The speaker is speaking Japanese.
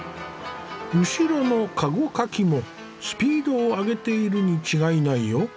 後ろの駕籠かきもスピードを上げているに違いないよ。